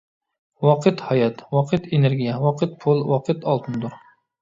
ۋاقىت ھايات، ۋاقىت ئېنېرگىيە، ۋاقىت پۇل، ۋاقىت ئالتۇندۇر.